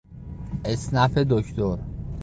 اسنپ دکتر